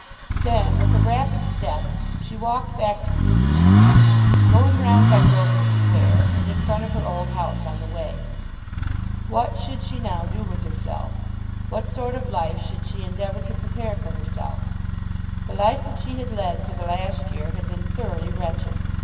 Then with a rapid step she walked back to Bruton Street, going round by Grosvenor Square and in front of her old house on the way. What should she now do with herself? What sort of life should she endeavour to prepare for herself? The life that she had led for the last year had been thoroughly wretched.